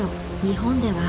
日本では。